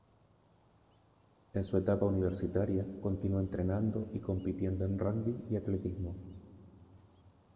En su etapa universitaria continuó entrenando y compitiendo en rugby y atletismo.